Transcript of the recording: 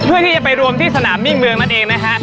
เพื่อที่จะไปรวมที่สนามมิ่งเมืองนั่นเองนะฮะ